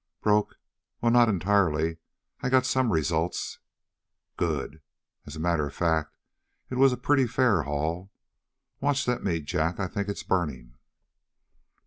"Broke? Well, not entirely. I got some results." "Good." "As a matter of fact, it was a pretty fair haul. Watch that meat, Jack; I think it's burning."